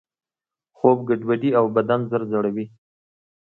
خوب ګډوډوي او بدن ژر زړوي.